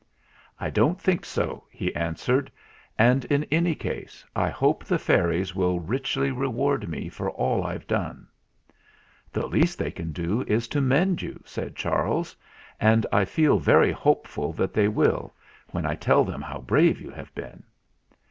"I don't think so," he answered. "And in any case I hope the fairies will richly reward me for all I've done." "The least they can do is to mend you," said Charles. "And I feel very hopeful that they will, when I tell them how brave you have been."